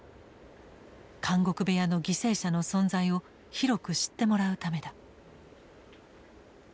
「監獄部屋」の犠牲者の存在を広く知ってもらうためだ。